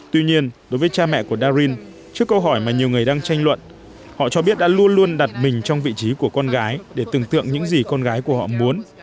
tuy nhiên đối với cha mẹ của darin trước câu hỏi mà nhiều người đang tranh luận họ cho biết đã luôn luôn đặt mình trong vị trí của con gái để tưởng tượng những gì con gái của họ muốn